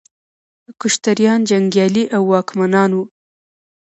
کشتریان جنګیالي او واکمنان وو.